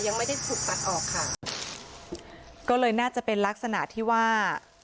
ยังไม่ได้ถูกตัดออกค่ะก็เลยน่าจะเป็นลักษณะที่ว่า